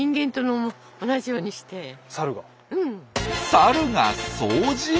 サルが掃除！？